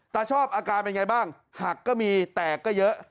ชอบอาการเป็นไงบ้างหักก็มีแตกก็เยอะ